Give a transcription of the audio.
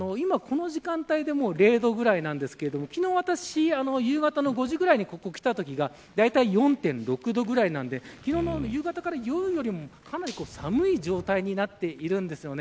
今、この時間帯で０度ぐらいなんですけど、昨日夕方の５時ぐらいにここ来たときはだいたい４．６度ぐらいなので昨日の夕方よりかなり寒い状態になっているんですよね。